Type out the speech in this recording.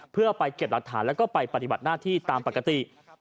เพื่อไปเก็บหลักฐานแล้วก็ไปปฏิบัติหน้าที่ตามปกติ